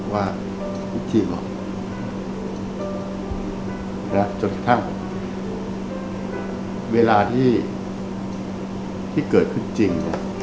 ว่าคุกจริงเหรอจนกระทั่งเวลาที่เกิดขึ้นจริง